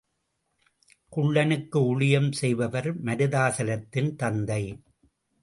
குள்ளனுக்கு ஊழியம் செய்பவர் மருதாசலத்தின் தந்தை.